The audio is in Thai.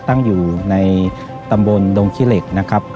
ตั้งอยู่ในตำบลดงขี้เหล็กนะครับ